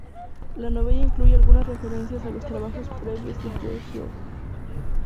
La novela incluye algunas referencias a los trabajos previos de Joe Hill.